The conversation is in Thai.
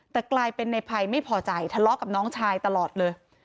แต่กลายเป็นในภัยไม่พอใจทะเลาะกับน้องชายตลอดเลย